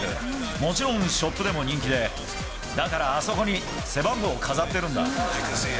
もちろんショップでも人気で、だからあそこに背番号を飾ってるんだ。